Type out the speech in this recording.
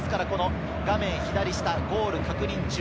画面左下、ゴール確認中。